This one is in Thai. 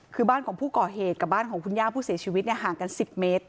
คือบ้านของผู้ก่อเหตุกับบ้านของคุณย่าผู้เสียชีวิตห่างกัน๑๐เมตร